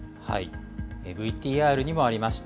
ＶＴＲにもありました